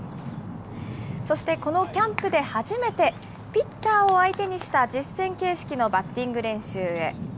そしてこのキャンプで初めて、ピッチャーを相手にした実戦形式のバッティング練習へ。